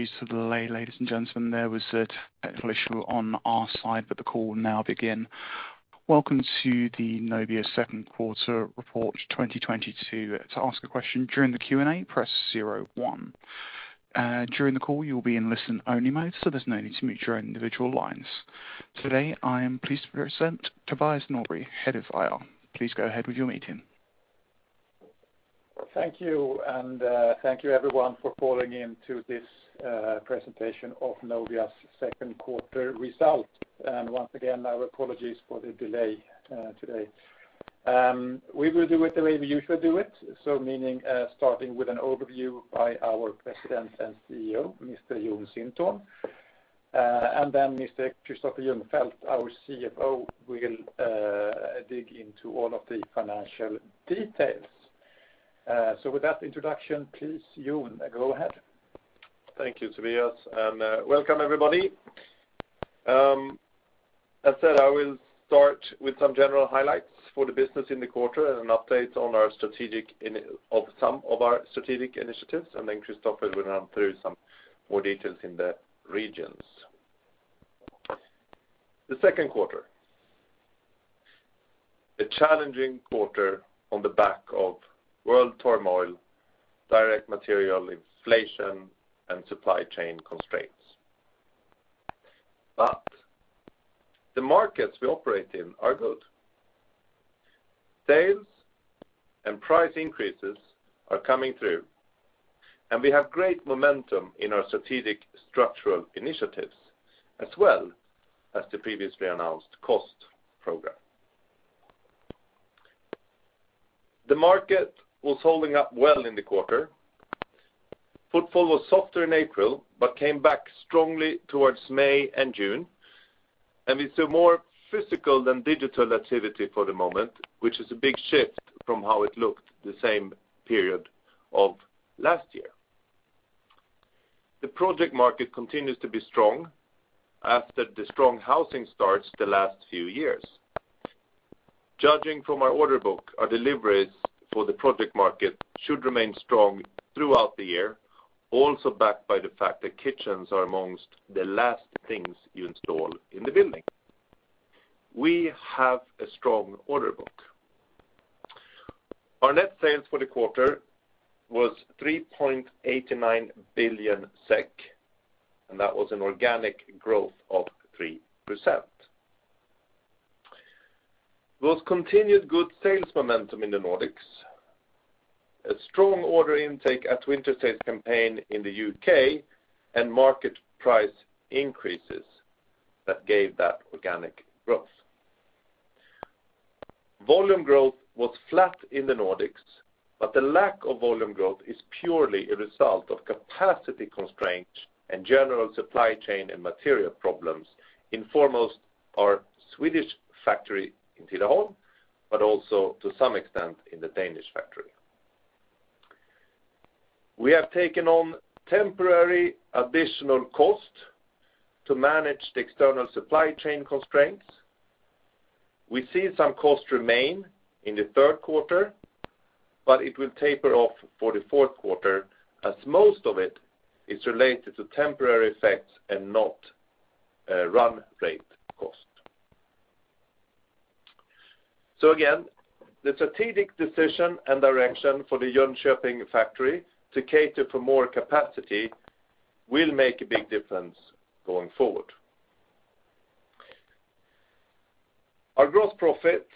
Due to the delay, ladies and gentlemen, there was a technical issue on our side, but the call will now begin. Welcome to the Nobia second quarter report 2022. To ask a question during the Q&A, press zero one. During the call, you'll be in listen-only mode, so there's no need to mute your own individual lines. Today, I am pleased to present Tobias Norrby, Head of IR. Please go ahead with your meeting. Thank you. Thank you everyone for calling in to this presentation of Nobia's second quarter result. Once again, our apologies for the delay today. We will do it the way we usually do it, so meaning starting with an overview by our President and CEO, Mr. Jon Sintorn. Then Mr. Kristoffer Ljungfelt, our CFO, will dig into all of the financial details. With that introduction, please, Jon, go ahead. Thank you, Tobias. Welcome everybody. As said, I will start with some general highlights for the business in the quarter and an update on some of our strategic initiatives, and then Christopher will run through some more details in the regions. The second quarter, a challenging quarter on the back of world turmoil, direct material inflation, and supply chain constraints, but the markets we operate in are good. Sales and price increases are coming through, and we have great momentum in our strategic structural initiatives as well as the previously announced cost program. The market was holding up well in the quarter. Footfall was softer in April but came back strongly towards May and June. We see more physical than digital activity for the moment, which is a big shift from how it looked the same period of last year. The project market continues to be strong after the strong housing starts the last few years. Judging from our order book, our deliveries for the project market should remain strong throughout the year, also backed by the fact that kitchens are among the last things you install in the building. We have a strong order book. Our net sales for the quarter was 3.8 billion SEK, and that was an organic growth of 3%. With continued good sales momentum in the Nordics, a strong order intake at winter sales campaign in the UK, and market price increases that gave that organic growth. Volume growth was flat in the Nordics, but the lack of volume growth is purely a result of capacity constraints and general supply chain and material problems in foremost our Swedish factory in Tidaholm, but also to some extent in the Danish factory. We have taken on temporary additional cost to manage the external supply chain constraints. We see some costs remain in the third quarter, but it will taper off for the fourth quarter as most of it is related to temporary effects and not run rate cost. Again, the strategic decision and direction for the Jönköping factory to cater for more capacity will make a big difference going forward. Our gross profit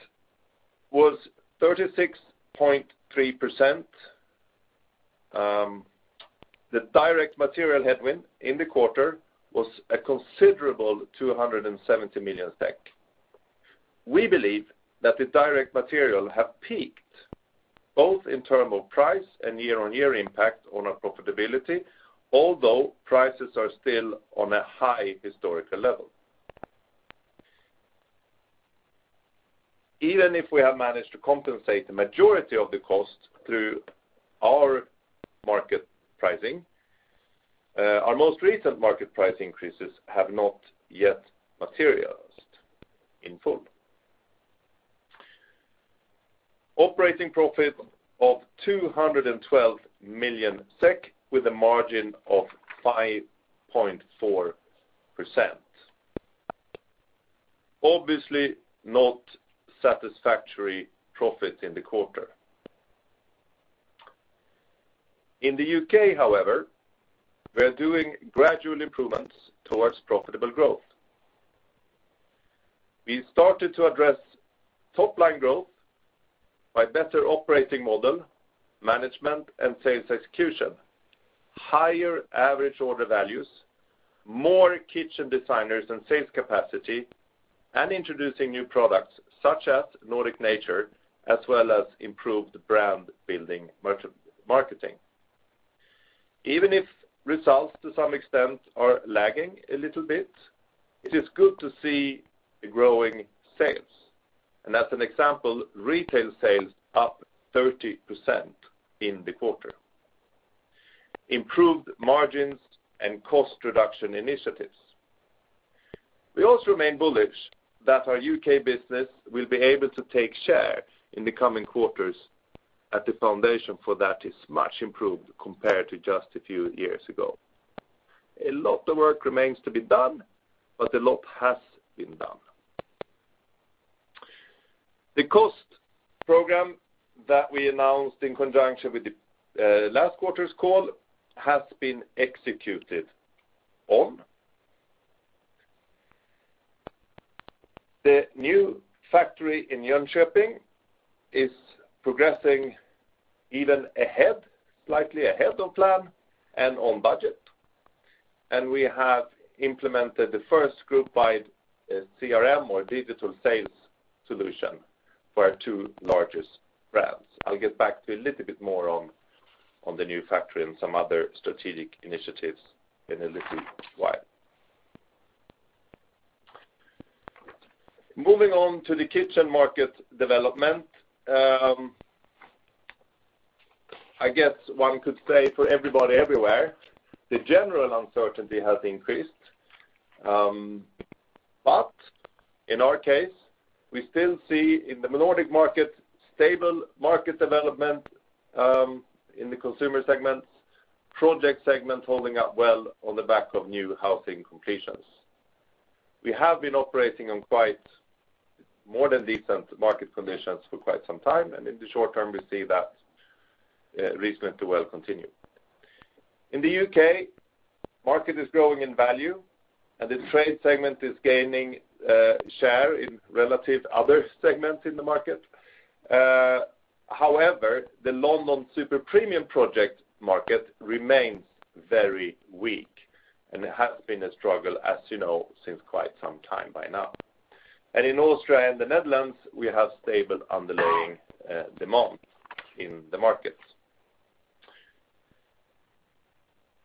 was 36.3%. The direct material headwind in the quarter was a considerable 270 million. We believe that the direct material have peaked, both in term of price and year-on-year impact on our profitability, although prices are still on a high historical level. Even if we have managed to compensate the majority of the cost through our market pricing, our most recent market price increases have not yet materialized in full. Operating profit of 212 million SEK with a margin of 5.4%. Obviously not satisfactory profit in the quarter. In the UK, however, we're doing gradual improvements towards profitable growth. We started to address top-line growth by better operating model, management, and sales execution, higher average order values, more kitchen designers and sales capacity, and introducing new products such as Nordic Nature, as well as improved brand building and marketing. Even if results to some extent are lagging a little bit, it is good to see the growing sales. As an example, retail sales up 30% in the quarter. Improved margins and cost reduction initiatives. We also remain bullish that our UK business will be able to take share in the coming quarters and the foundation for that is much improved compared to just a few years ago. A lot of work remains to be done, but a lot has been done. The cost program that we announced in conjunction with the last quarter's call has been executed on. The new factory in Jönköping is progressing even ahead, slightly ahead of plan and on budget. We have implemented the first group-wide CRM or digital sales solution for our two largest brands. I'll get back to a little bit more on the new factory and some other strategic initiatives in a little while. Moving on to the kitchen market development. I guess one could say for everybody everywhere, the general uncertainty has increased. In our case, we still see in the Nordic market stable market development in the consumer segments, project segments holding up well on the back of new housing completions. We have been operating on quite more than decent market conditions for quite some time, and in the short term, we see that reasonably well continue. In the UK, market is growing in value, and the trade segment is gaining share in relative other segments in the market. However, the London super premium project market remains very weak, and it has been a struggle, as you know, since quite some time by now. In Austria and the Netherlands, we have stable underlying demand in the markets.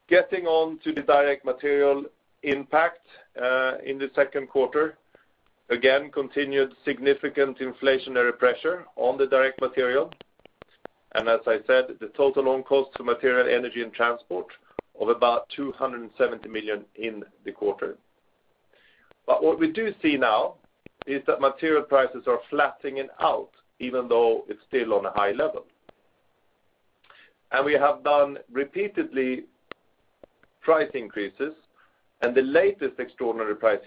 Getting on to the direct material impact in the second quarter, again, continued significant inflationary pressure on the direct material. As I said, the total on-cost of material, energy, and transport of about 270 million in the quarter. What we do see now is that material prices are flattening out even though it's still on a high level. We have done repeatedly price increases, and the latest extraordinary price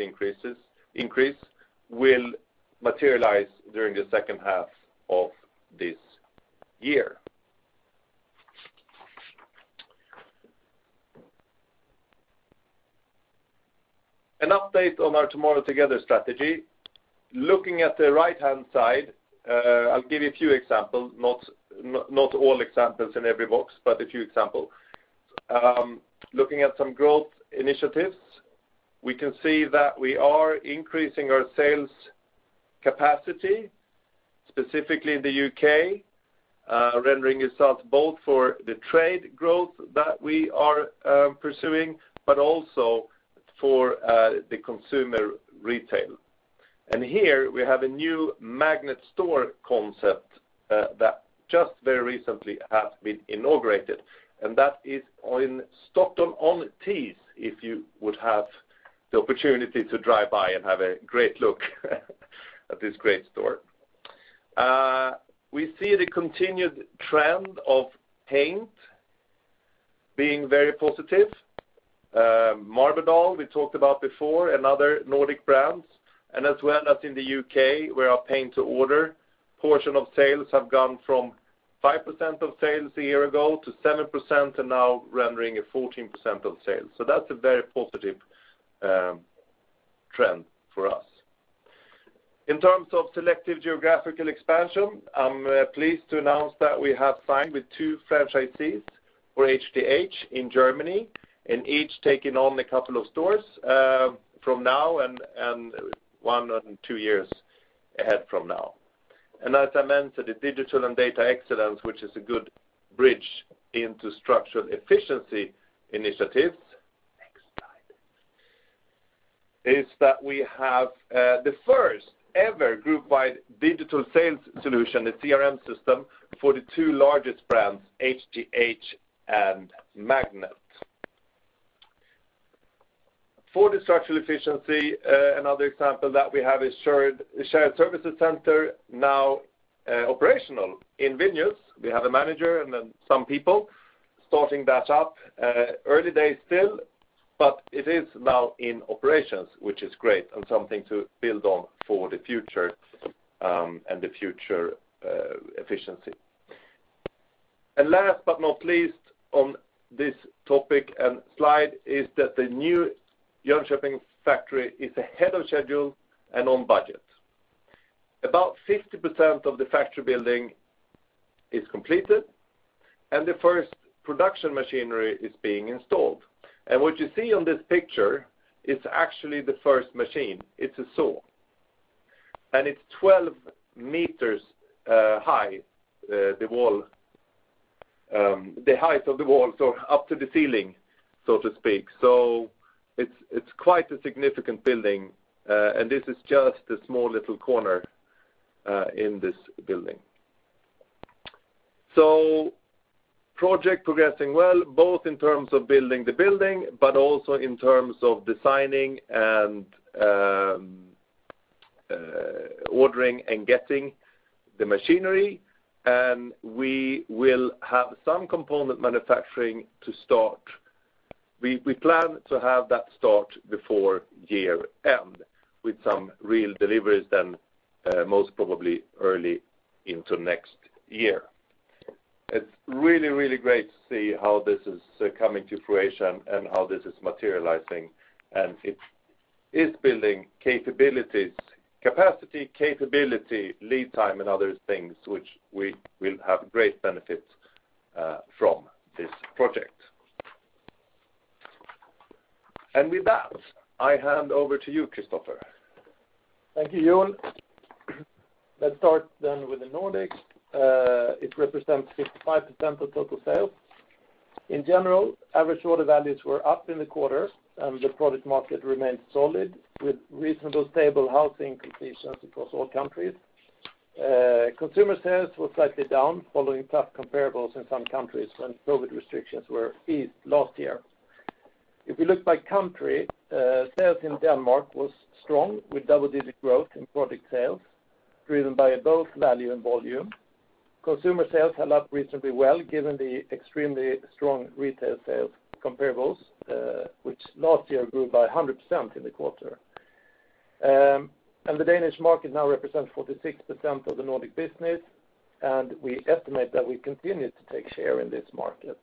increases will materialize during the second half of this year. An update on our Tomorrow Together strategy. Looking at the right-hand side, I'll give you a few examples, not all examples in every box, but a few examples. Looking at some growth initiatives, we can see that we are increasing our sales capacity, specifically in the UK, regarding itself both for the trade growth that we are pursuing, but also for the consumer retail. Here we have a new Magnet store concept that just very recently has been inaugurated, and that is on Stockton-on-Tees, if you would have the opportunity to drive by and have a great look at this great store. We see the continued trend of paint being very positive. Marbodal, we talked about before, and other Nordic brands, and as well as in the UK, where our paint to order portion of sales have gone from 5% of sales a year ago to 7%, and now rendering a 14% of sales. That's a very positive trend for us. In terms of selective geographical expansion, I'm pleased to announce that we have signed with two franchisees for HTH in Germany, and each taking on a couple of stores, from now and one or two years ahead from now. As I mentioned, the digital and data excellence, which is a good bridge into structured efficiency initiatives, next slide, is that we have the first-ever group-wide digital sales solution, the CRM system, for the two largest brands, HTH and Magnet. For the structural efficiency, another example that we have is shared services center now operational in Vilnius. We have a manager and then some people starting that up. Early days still, but it is now in operations, which is great and something to build on for the future efficiency. Last but not least on this topic and slide is that the new Jönköping factory is ahead of schedule and on budget. About 50% of the factory building is completed, and the first production machinery is being installed. What you see on this picture is actually the first machine. It's a saw. It's 12 meters high, the height of the wall, so up to the ceiling, so to speak. It's quite a significant building, and this is just a small little corner in this building. Project progressing well, both in terms of building the building, but also in terms of designing and ordering and getting the machinery. We will have some component manufacturing to start. We plan to have that start before year end with some real deliveries then, most probably early into next year. It's really, really great to see how this is coming to fruition and how this is materializing, and it is building capabilities, capacity, lead time, and other things which we will have great benefits from this project. With that, I hand over to you, Kristoffer. Thank you, Jon. Let's start with the Nordics. It represents 55% of total sales. In general, average order values were up in the quarter, and the product market remained solid with reasonable stable housing conditions across all countries. Consumer sales was slightly down following tough comparables in some countries when COVID restrictions were eased last year. If you look by country, sales in Denmark was strong with double-digit growth in product sales, driven by both value and volume. Consumer sales held up reasonably well given the extremely strong retail sales comparables, which last year grew by 100% in the quarter. The Danish market now represents 46% of the Nordic business, and we estimate that we continue to take share in this market.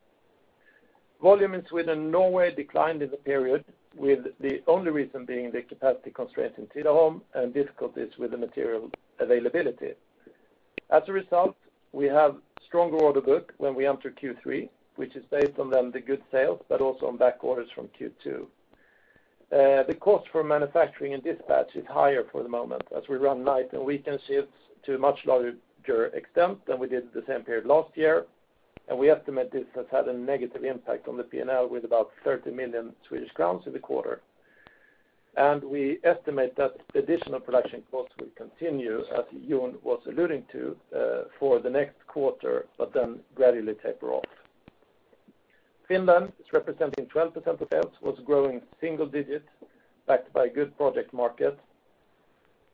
Volume in Sweden and Norway declined in the period, with the only reason being the capacity constraints in Tidaholm and difficulties with the material availability. As a result, we have stronger order book when we enter Q3, which is based on then the good sales, but also on back orders from Q2. The cost for manufacturing and dispatch is higher for the moment as we run night and weekend shifts to a much larger extent than we did the same period last year. We estimate this has had a negative impact on the P&L with about 30 million Swedish crowns in the quarter. We estimate that additional production costs will continue, as Jon was alluding to, for the next quarter, but then gradually taper off. Finland is representing 12% of sales, was growing single digits backed by good product market.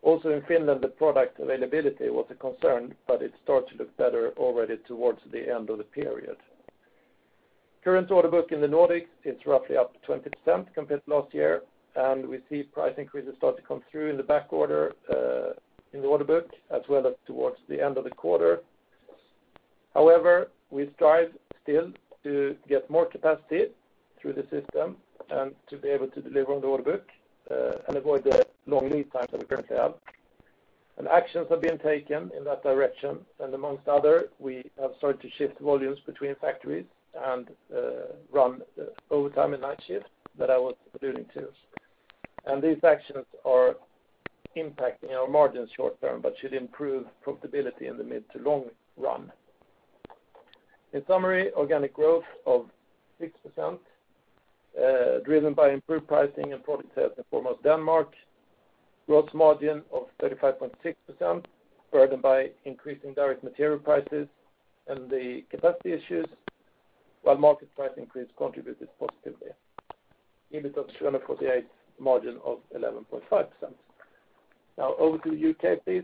Also in Finland, the product availability was a concern, but it starts to look better already towards the end of the period. Current order book in the Nordics is roughly up to 20% compared to last year, and we see price increases start to come through in the back order in the order book, as well as towards the end of the quarter. However, we strive still to get more capacity through the system and to be able to deliver on the order book and avoid the long lead times that we currently have. Actions are being taken in that direction. Among other, we have started to shift volumes between factories and run overtime and night shift that I was alluding to. These actions are impacting our margin short term, but should improve profitability in the mid to long run. In summary, organic growth of 6%, driven by improved pricing and product sales in foremost Denmark. Gross margin of 35.6%, burdened by increasing direct material prices and the capacity issues, while market price increase contributed positively. EBIT of 248, margin of 11.5%. Now over to the UK, please.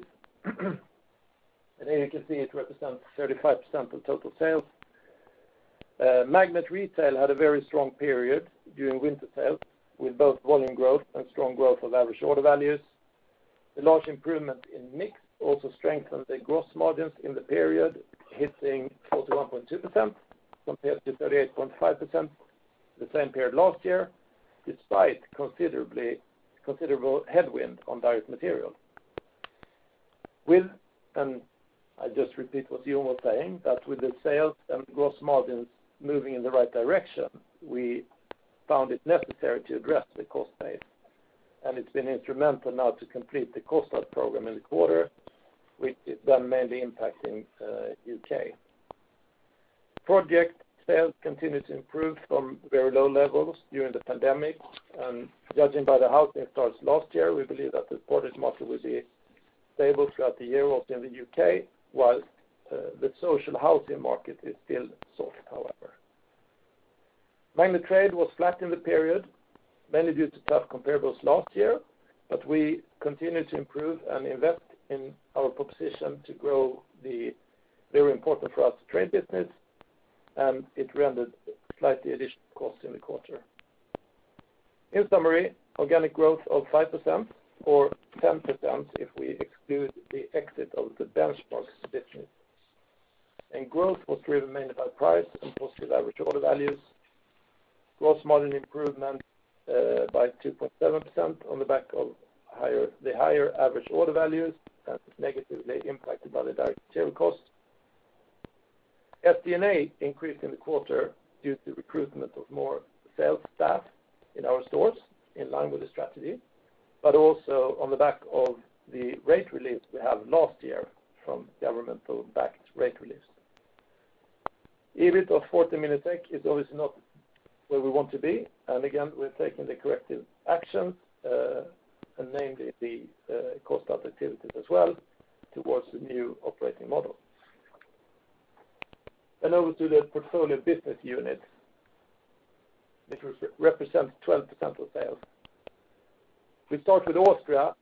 Here you can see it represents 35% of total sales. Magnet Retail had a very strong period during winter sales with both volume growth and strong growth of average order values. A large improvement in mix also strengthened the gross margins in the period, hitting 41.2% compared to 38.5% the same period last year, despite considerable headwind on direct material. I just repeat what Jon was saying, that with the sales and gross margins moving in the right direction, we found it necessary to address the cost base. It's been instrumental now to complete the cost out program in the quarter, which is done mainly impacting UK. Project sales continued to improve from very low levels during the pandemic. Judging by the housing starts last year, we believe that the project market will be stable throughout the year also in the UK, while the social housing market is still soft, however. Magnet Trade was flat in the period, mainly due to tough comparables last year, but we continue to improve and invest in our proposition to grow the very important for us trade business, and it rendered slightly additional costs in the quarter. In summary, organic growth of 5% or 10% if we exclude the exit of the Benchmarx business. Growth was driven mainly by price and positive average order values. Gross margin improvement by 2.7% on the back of the higher average order values, and it's negatively impacted by the direct material costs. SG&A increased in the quarter due to recruitment of more sales staff in our stores in line with the strategy, but also on the back of the rate relief we had last year from government-backed rate relief. EBIT of 14 million is obviously not where we want to be, and again, we're taking the corrective actions and namely the cost out activities as well towards the new operating model. Over to the portfolio business unit, which represents 12% of sales. We start with Austria,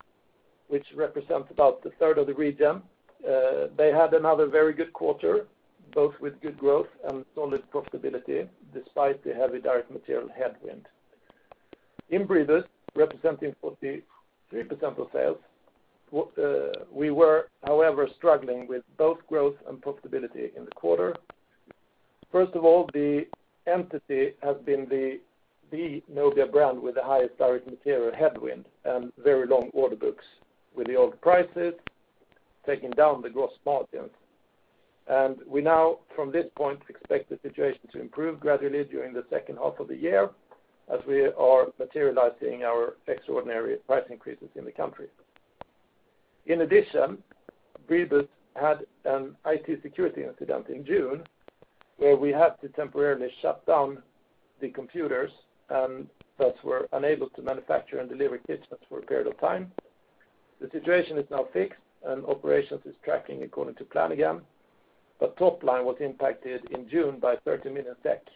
which represents about a third of the region. They had another very good quarter, both with good growth and solid profitability despite the heavy direct material headwind. In Bribus, representing 43% of sales, we were, however, struggling with both growth and profitability in the quarter. First of all, the entity has been the Nobia brand with the highest direct material headwind and very long order books with the old prices taking down the gross margins. We now, from this point, expect the situation to improve gradually during the second half of the year as we are materializing our extraordinary price increases in the country. In addition, Bribus had an IT security incident in June, where we had to temporarily shut down the computers, and thus were unable to manufacture and deliver kitchens for a period of time. The situation is now fixed, and operations is tracking according to plan again, but top line was impacted in June by 30 million SEK.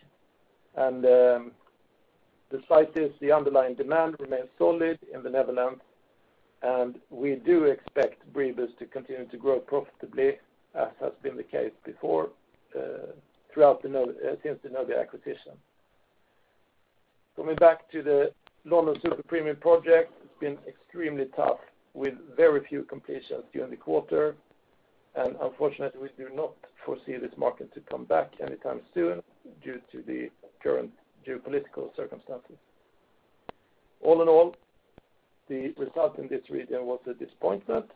Despite this, the underlying demand remains solid in the Netherlands, and we do expect Bribus to continue to grow profitably as has been the case before, since the Nobia acquisition. Coming back to the London super premium project, it's been extremely tough with very few completions during the quarter. Unfortunately, we do not foresee this market to come back anytime soon due to the current geopolitical circumstances. All in all, the result in this region was a disappointment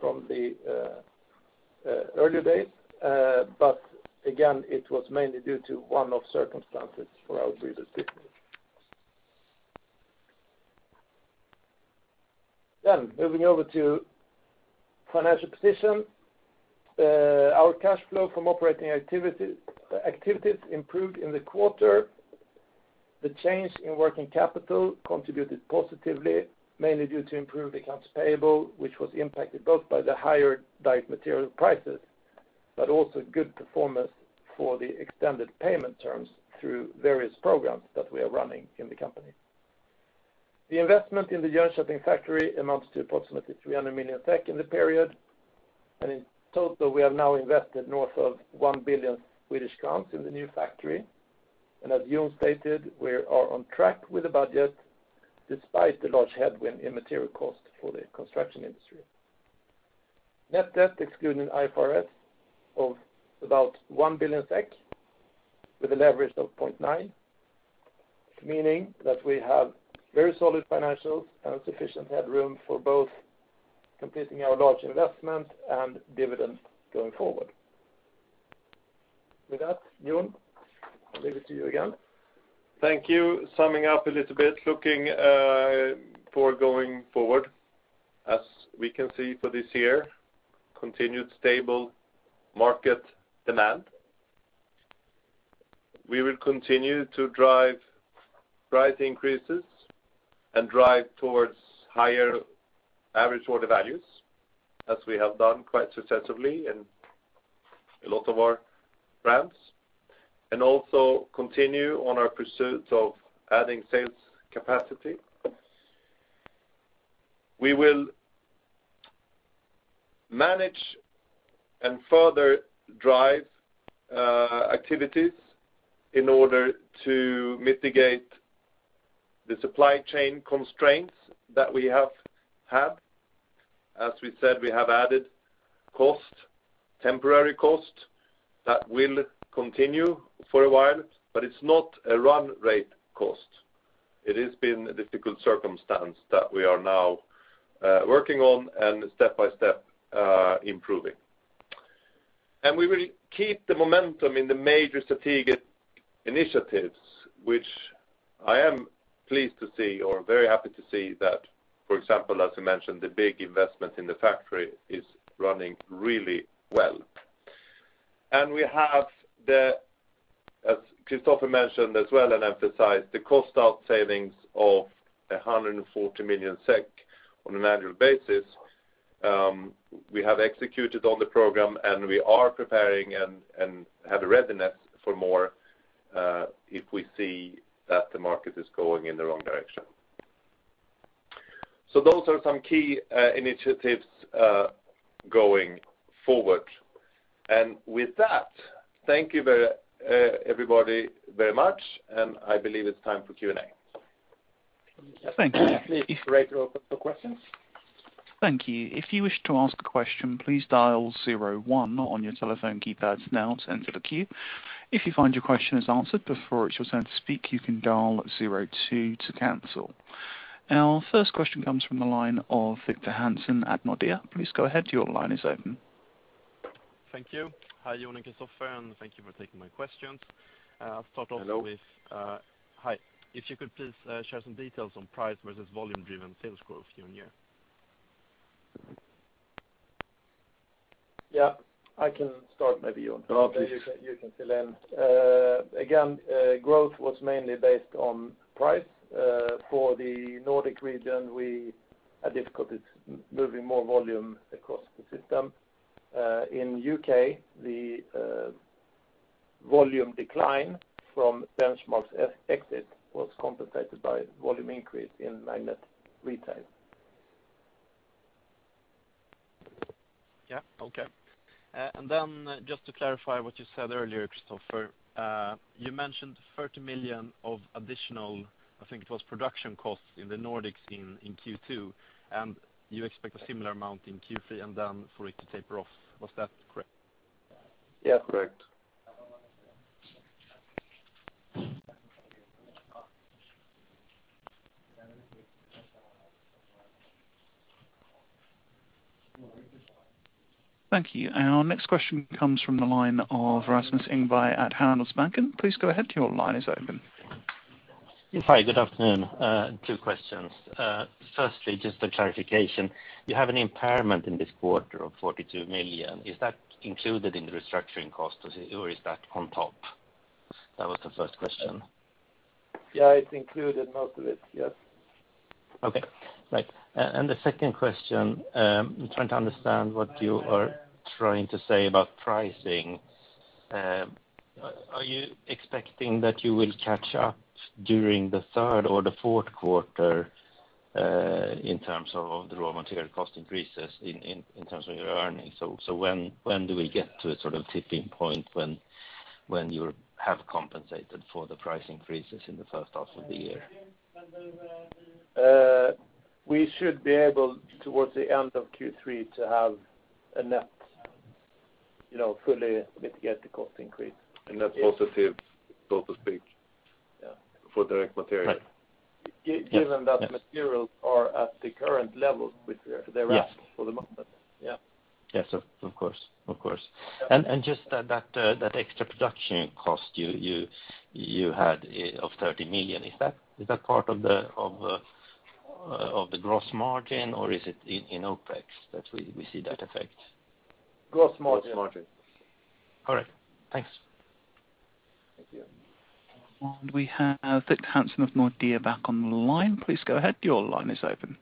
from the earlier days. Again, it was mainly due to one-off circumstances for our Bribus business. Moving over to financial position. Our cash flow from operating activities improved in the quarter. The change in working capital contributed positively, mainly due to improved accounts payable, which was impacted both by the higher direct material prices, but also good performance for the extended payment terms through various programs that we are running in the company. The investment in the Jönköping factory amounts to approximately 300 million SEK in the period. In total, we have now invested north of 1 billion Swedish crowns in the new factory. As Jon stated, we are on track with the budget despite the large headwind in material cost for the construction industry. Net debt excluding IFRS of about 1 billion SEK with a leverage of 0.9, meaning that we have very solid financials and sufficient headroom for both completing our large investment and dividend going forward. With that, Jon, I'll leave it to you again. Thank you. Summing up a little bit, looking forward. As we can see for this year, continued stable market demand. We will continue to drive price increases and drive towards higher average order values as we have done quite successfully in a lot of our brands, and also continue on our pursuit of adding sales capacity. We will manage and further drive activities in order to mitigate the supply chain constraints that we have had. As we said, we have added cost, temporary cost that will continue for a while, but it's not a run rate cost. It has been a difficult circumstance that we are now working on and step by step improving. We will keep the momentum in the major strategic initiatives, which I am pleased to see or very happy to see that, for example, as you mentioned, the big investment in the factory is running really well. We have the, as Kristoffer mentioned as well and emphasized, the cost out savings of 140 million SEK on an annual basis. We have executed on the program, and we are preparing and have a readiness for more, if we see that the market is going in the wrong direction. Those are some key initiatives going forward. With that, thank you very, everybody very much. I believe it's time for Q&A. Thank you. Operator, open for questions. Thank you. If you wish to ask a question, please dial zero one on your telephone keypads now to enter the queue. If you find your question is answered before it's your turn to speak, you can dial zero two to cancel. Our first question comes from the line of Victor Hansen at Nordea. Please go ahead, your line is open. Thank you. Hi, Jon and Kristoffer, and thank you for taking my questions. I'll start off with. Hello. Hi. If you could please share some details on price versus volume-driven sales growth year on year? Yeah, I can start maybe on- No, please. You can fill in. Again, growth was mainly based on price, for the Nordic region, we had difficulties moving more volume across the system. In UK, the volume decline from Benchmarx exit was compensated by volume increase in Magnet Retail. Yeah. Okay. And then just to clarify what you said earlier, Christopher, you mentioned 30 million of additional, I think it was production costs in the Nordics in Q2, and you expect a similar amount in Q3 and then for it to taper off. Was that correct? Yeah. Correct. Thank you. Our next question comes from the line of Rasmus Engberg at Handelsbanken. Please go ahead, your line is open. Hi. Good afternoon. Two questions. Firstly, just a clarification. You have an impairment in this quarter of 42 million. Is that included in the restructuring cost, or is that on top? That was the first question. Yeah, it's included most of it. Yes. Okay. Right. The second question, I'm trying to understand what you are trying to say about pricing. Are you expecting that you will catch up during the third or the fourth quarter in terms of the raw material cost increases in terms of your earnings? When do we get to a sort of tipping point when you have compensated for the price increases in the first half of the year? We should be able, towards the end of Q3, to have a net, you know, fully mitigate the cost increase. That's positive, so to speak. Yeah for direct material. Right. Yes. Yes. Given that materials are at the current level with their ask for the moment. Yeah. Yeah. Yes, of course. Of course. Yeah. Just that extra production cost you had of 30 million, is that part of the gross margin or is it in OPEX that we see that effect? Gross margin. Gross margin. All right. Thanks. Thank you. We have Victor Hansen of Nordea back on the line. Please go ahead. Your line is open.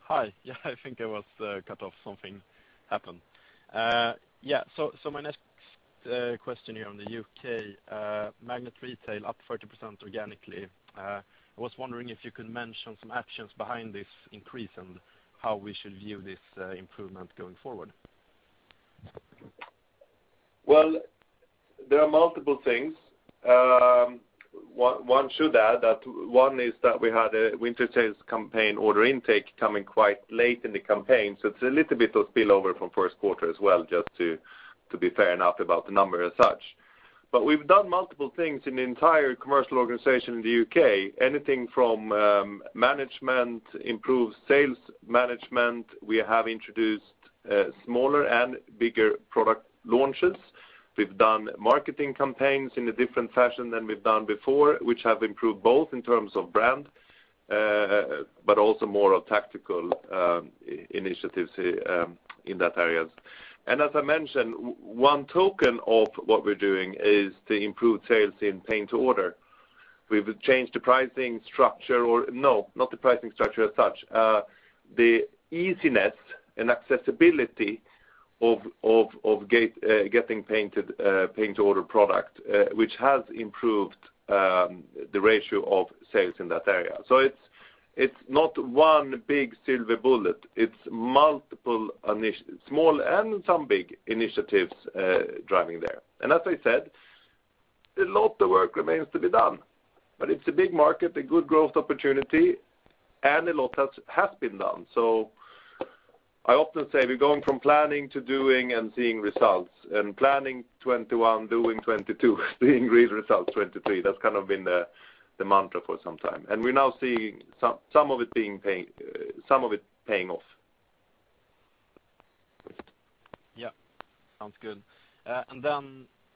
Hi. Yeah, I think I was cut off. Something happened. Yeah, my next question here on the UK, Magnet Retail up 40% organically. I was wondering if you could mention some actions behind this increase and how we should view this improvement going forward. Well, there are multiple things. One should add that one is that we had a winter sales campaign order intake coming quite late in the campaign, so it's a little bit of spillover from first quarter as well, just to be fair enough about the number as such. We've done multiple things in the entire commercial organization in the UK, anything from management, improved sales management. We have introduced smaller and bigger product launches. We've done marketing campaigns in a different fashion than we've done before, which have improved both in terms of brand, but also more of tactical initiatives in that areas. As I mentioned, one token of what we're doing is to improve sales in paint to order. We've changed the pricing structure. No, not the pricing structure as such. The easiness and accessibility of getting paint to order product, which has improved the ratio of sales in that area. It's not one big silver bullet, it's multiple small and some big initiatives driving there. As I said, a lot of work remains to be done, but it's a big market, a good growth opportunity, and a lot has been done. I often say we're going from planning to doing and seeing results, and planning 2021, doing 2022, seeing great results 2023. That's kind of been the mantra for some time. We're now seeing some of it paying off. Yeah. Sounds good.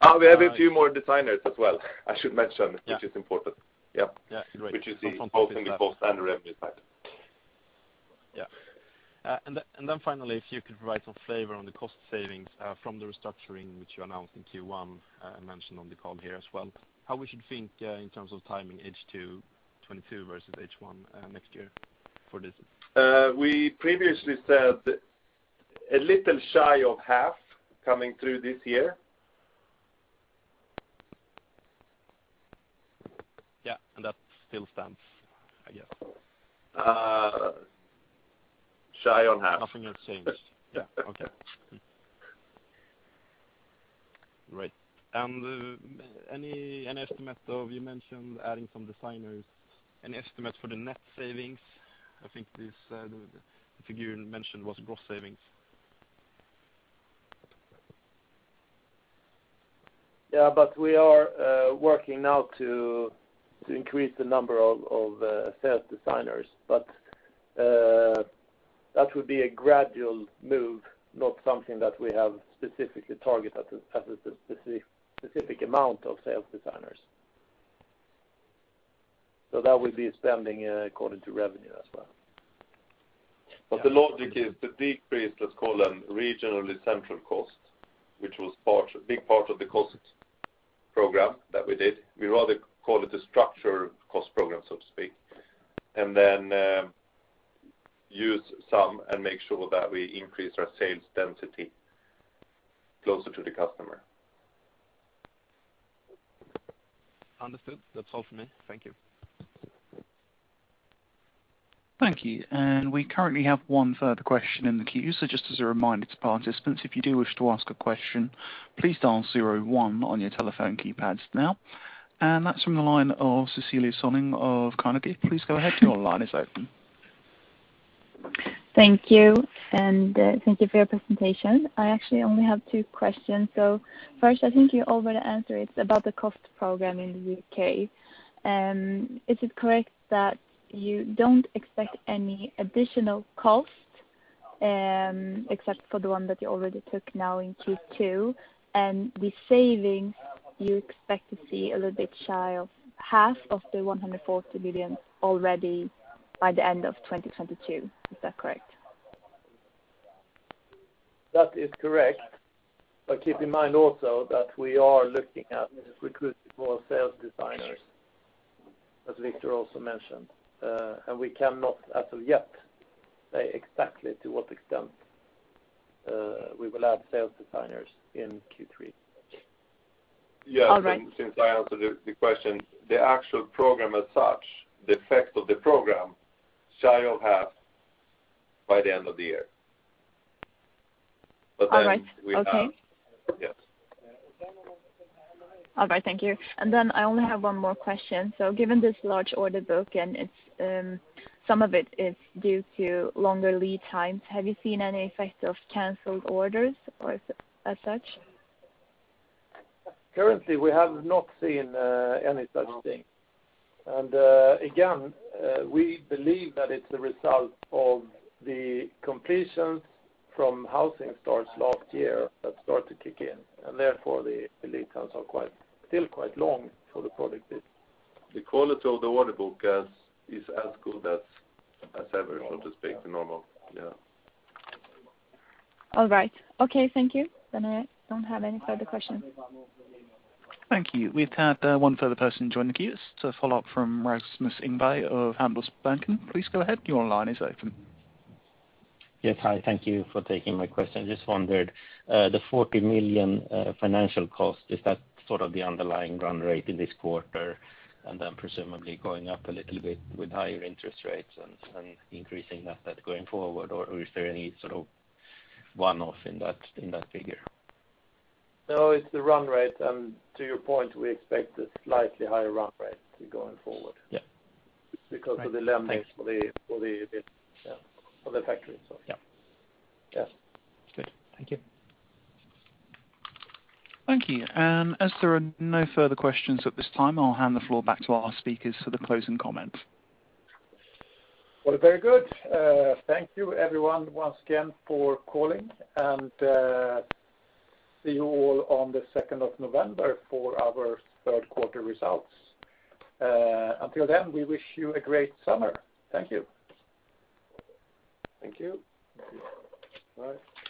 Oh, we have a few more designers as well, I should mention. Yeah which is important. Yeah. Yeah. Great. Which you see both in the cost and revenue side. Yeah. Finally, if you could provide some flavor on the cost savings from the restructuring which you announced in Q1, and mentioned on the call here as well, how we should think in terms of timing H2 2022 versus H1 next year for this? We previously said a little shy of half coming through this year. Yeah. That still stands, I guess. Shy on half. Nothing has changed. Yes. Yeah. Okay. Great. Any estimate of you mentioned adding some designers. Any estimates for the net savings? I think this, the figure you mentioned was gross savings. Yeah. We are working now to increase the number of sales designers. That would be a gradual move, not something that we have specifically targeted at a specific amount of sales designers. That will be spending according to revenue as well. The logic is the decrease, let's call them regional or central costs, which was a big part of the cost program that we did. We'd rather call it a structural cost program, so to speak, and then use some and make sure that we increase our sales density closer to the customer. Understood. That's all from me. Thank you. Thank you. We currently have one further question in the queue. Just as a reminder to participants, if you do wish to ask a question, please dial zero one on your telephone keypads now. That's from the line of Cecilia Chen of Carnegie. Please go ahead. Your line is open. Thank you, and thank you for your presentation. I actually only have two questions. First, I think you already answered it. It's about the cost program in the UK. Is it correct that you don't expect any additional costs, except for the one that you already took now in Q2? The savings, you expect to see a little bit shy of half of the 140 million already by the end of 2022. Is that correct? That is correct. Keep in mind also that we are looking at recruiting more sales designers, as Victor also mentioned. We cannot as of yet say exactly to what extent we will add sales designers in Q3. All right. Yeah, since I answered the question, the actual program as such, the effect of the program shall have by the end of the year. We have. All right. Okay. Yes. All right. Thank you. I only have one more question. Given this large order book, and it's some of it is due to longer lead times, have you seen any effect of canceled orders or as such? Currently, we have not seen any such thing. Again, we believe that it's a result of the completions from housing starts last year that start to kick in, and therefore the lead times are quite, still quite long for the product base. The quality of the order book is as good as ever, so to speak, than normal. Yeah. All right. Okay, thank you. I don't have any further questions. Thank you. We've had one further person join the queue. It's a follow-up from Rasmus Engberg of Handelsbanken. Please go ahead. Your line is open. Yes. Hi. Thank you for taking my question. Just wondered, the 40 million financial cost, is that sort of the underlying run rate in this quarter and then presumably going up a little bit with higher interest rates and increasing that going forward? Or is there any sort of one-off in that figure? No, it's the run rate. To your point, we expect a slightly higher run rate going forward. Yeah. It's because of the learnings. Right. Thanks. for the factory, so. Yeah. Yes. Good. Thank you. Thank you. As there are no further questions at this time, I'll hand the floor back to our speakers for the closing comments. Well, very good. Thank you everyone once again for calling, and see you all on the second of November for our third quarter results. Until then, we wish you a great summer. Thank you. Thank you. Bye.